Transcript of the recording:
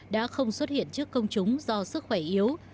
đã không xuất hiện trước công chúng do sức khỏe yếu